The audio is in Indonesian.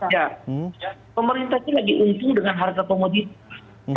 ya pemerintah ini lagi untung dengan harga komoditas